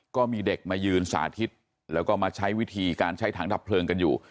ก็มีเด็กมายืนสาธิตแล้วก็มาใช้วิธีการใช้ถังดับเพลิงกันอยู่